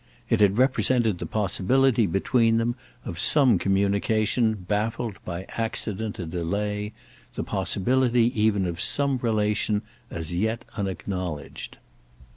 It had represented the possibility between them of some communication baffled by accident and delay—the possibility even of some relation as yet unacknowledged.